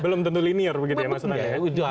belum tentu linear begitu ya maksudnya